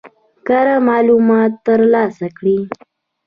کره معلومات ترلاسه کړي.